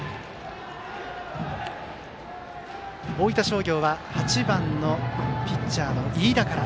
大分商業は８番ピッチャー、飯田から。